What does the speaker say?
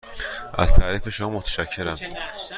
از تعریف شما متشکرم.